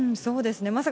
そうですね。